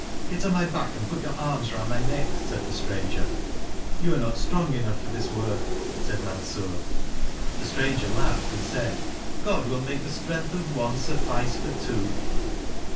" Get on my back and put your arms round my neck," said the stranger. " You are not strong enough for this work," said Mansur. The stranger laughed and said: "God will make the strength of one suffice for two."